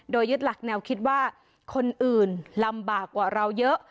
โดยยึดหลักแนวคิดว่าคนอื่นลำบากกว่าเราเยอะ